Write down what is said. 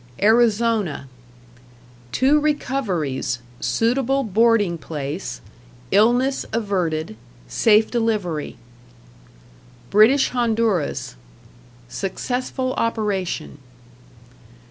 Arizona Two recoveries, suitable boarding place, illness averted, safe delivery. British Honduras Successful operation.